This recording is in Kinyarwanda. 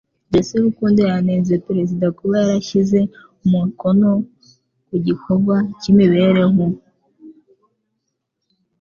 Jesse Rukundo yanenze perezida kuba yarashyize umukono ku gikorwa cy'imibereho